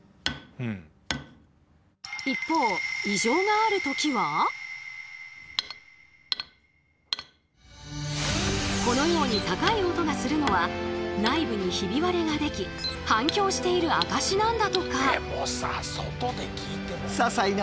一方このように高い音がするのは内部にヒビ割れができ反響している証しなんだとか。